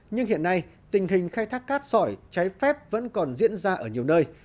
nhưng hiện nay tình hình khai thác cát sỏi trái phép vẫn còn diễn ra ở nhiều nơi